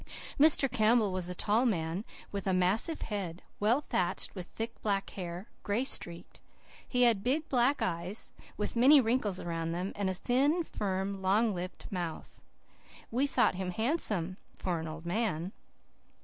Mr. Campbell was a tall man, with a massive head, well thatched with thick, black hair, gray streaked. He had big, black eyes, with many wrinkles around them, and a thin, firm, long lipped mouth. We thought him handsome, for an old man.